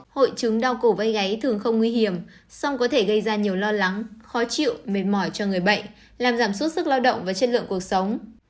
hội chứng đau cổ gây gáy thường không nguy hiểm song có thể gây ra nhiều lo lắng khó chịu mệt mỏi cho người bệnh làm giảm suốt sức lao động và chất lượng cuộc sống